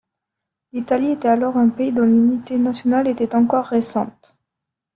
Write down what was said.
L'Italie était alors un pays dont l'unité nationale était encore récente.